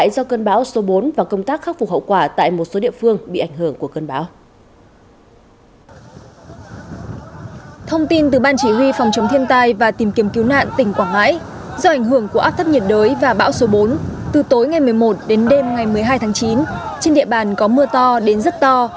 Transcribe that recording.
do ảnh hưởng của áp thấp nhiệt đới và bão số bốn từ tối ngày một mươi một đến đêm ngày một mươi hai tháng chín trên địa bàn có mưa to đến rất to